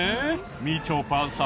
みちょぱさん。